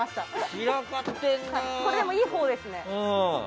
これ、でもいいほうですね。